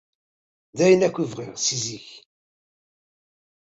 D ayen akk i bɣiɣ si zik.